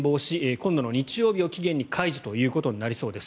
今度の日曜日を期限に解除となりそうです。